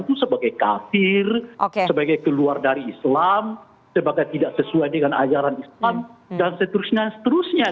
itu sebagai kafir sebagai keluar dari islam sebagai tidak sesuai dengan ajaran islam dan seterusnya seterusnya